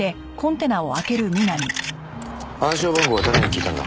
暗証番号は誰に聞いたんだ？